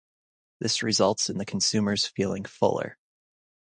This results in the consumers feeling fuller.